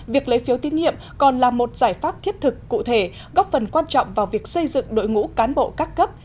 việc lấy phiếu tín nhiệm còn là một giải pháp thiết thực cụ thể góp phần quan trọng vào việc xây dựng đội ngũ cán bộ các cấp